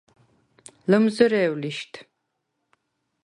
ლჷმზჷრე̄უ̂ ლიშდ!